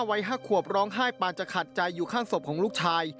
ความเย็นมาไว้หักขวบร้องไห้ปานจะขาดใจอยู่ข้างศพของลูกชาย